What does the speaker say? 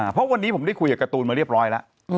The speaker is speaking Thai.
เพราะวันนี้ผมได้คุยกับการ์ตูนมาเรียบร้อยแล้ว